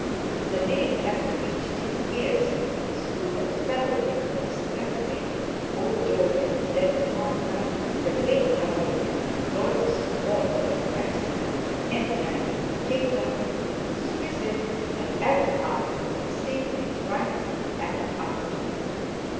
The name having reached his ears through that fellow Nicholas Treffry, old Jolyon's dead partner, the great driving man notorious for more carriage accidents than any man in the kingdom—Swithin had ever after conceived it right to act up to it.